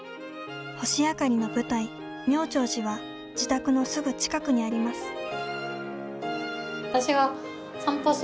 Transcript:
「星あかり」の舞台妙長寺は自宅のすぐ近くにあります。